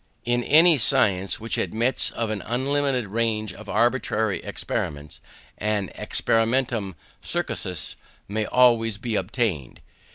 In any science which admits of an unlimited range of arbitrary experiments, an experimentum crucis may always be obtained.